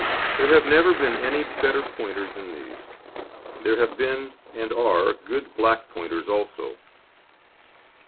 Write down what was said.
There have never been any better Pointers than these. There have been, and are, good black Pointers also.